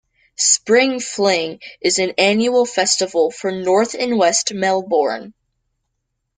"Spring Fling" is an annual festival for North and West Melbourne.